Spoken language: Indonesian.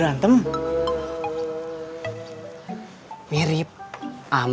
orang tuanya kim dede tetep melamar